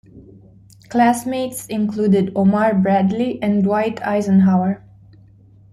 Classmates included Omar Bradley and Dwight Eisenhower.